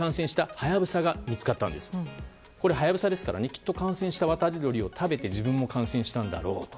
ハヤブサですからきっと感染した渡り鳥を食べて自分も感染したんだろうと。